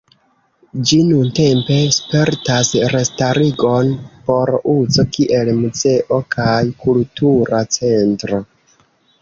Ĝi nuntempe spertas restarigon por uzo kiel muzeo kaj kultura centro.